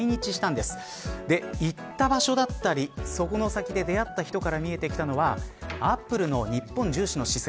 で、行った場所だったりそこの先で出会った人から見えてきたのはアップルの日本重視の姿勢。